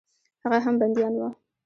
هغه هم بندیان وه.